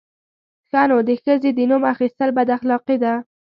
_ښه نو، د ښځې د نوم اخيستل بد اخلاقي ده!